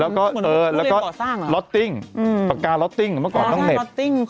แล้วก็ล็อตติ้งปากกาลอสติ้งเมื่อก่อนต้องเน็ต